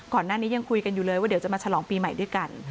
ก่อนหน้านี้ยังคุยกันอยู่เลยว่าเดี๋ยวจะมาฉลองปีใหม่ด้วยกัน